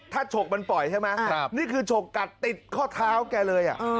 ถ้าฉกมันปล่อยใช่ไหมครับนี่คือฉกกัดติดค่อเท้าแกเลยอ่ะเอ่อ